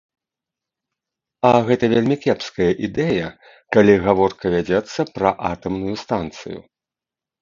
А гэта вельмі кепская ідэя, калі гаворка вядзецца пра атамную станцыю.